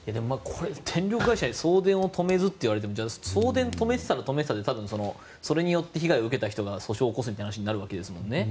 電力会社送電を止めずといわれてもじゃあ送電を止めたら止めたでそれによって被害を受けた人が訴訟を起こすみたいな話になるんですよね。